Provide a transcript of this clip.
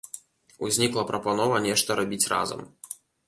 Узнікла прапанова нешта рабіць разам.